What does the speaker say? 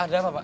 ada apa pak